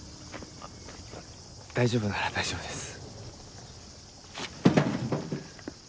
大丈夫なら大丈夫です。